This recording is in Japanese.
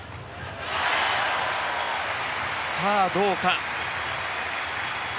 さあ、どうか。